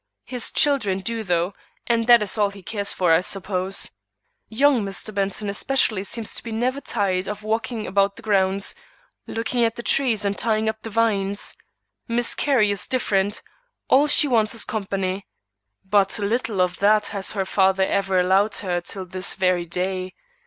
His children do though, and that is all he cares for I suppose. Young Mr. Benson especially seems to be never tired of walking about the grounds, looking at the trees and tying up the vines. Miss Carrie is different; all she wants is company. But little of that has her father ever allowed her till this very day.